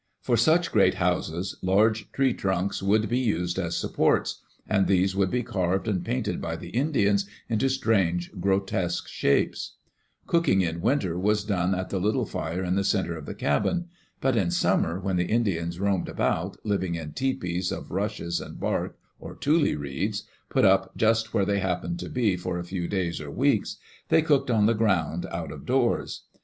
For such great houses large tree trunks would be used as supports, and these would be carved and painted by the Indians into strange, grotesque shapes. Cooking in winter was done at the little fire in the center of the cabin. But in summer, when the Indians roamed about, living in tepees of rushes and bark or tule reeds, put up just where they happened to be for a few days or weeks, they cooked on the ground out of doors.